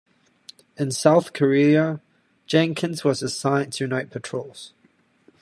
In South Korea, Jenkins was assigned to night patrols.